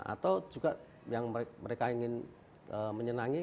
atau juga yang mereka ingin menyenangi